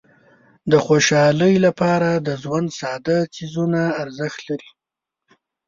د خوشحالۍ لپاره د ژوند ساده څیزونه ارزښت لري.